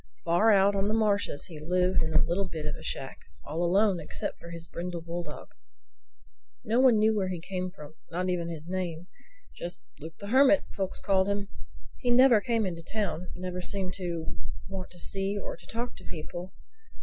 Far out on the marshes he lived in a little bit of a shack—all alone except for his brindle bulldog. No one knew where he came from—not even his name. Just "Luke the Hermit" folks called him. He never came into the town; never seemed to want to see or talk to people.